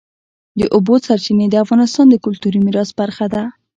د اوبو سرچینې د افغانستان د کلتوري میراث برخه ده.